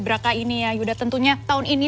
beraka ini ya yudah tentunya tahun ini